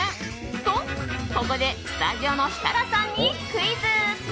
と、ここでスタジオの設楽さんにクイズ。